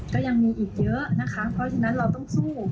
ก็ยังมีอีกเยอะนะคะเพราะฉะนั้นเราต้องสู้